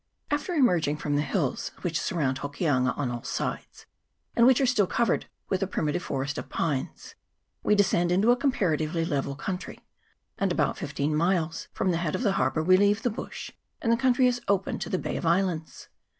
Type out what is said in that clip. AFTER emerging from the hills which surround Hokianga on all sides, and which are still covered with a primitive forest of pines, we descend into a comparatively level country ; and about fifteen miles from the head of the harbour we leave the bush, and the country is open to the Bay of Islands.